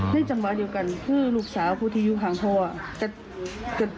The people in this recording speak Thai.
ในจังหวะเดียวกันคือลูกสาวนะครูที่อยู่ข้างโทและ